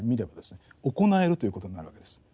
行えるということになるわけです。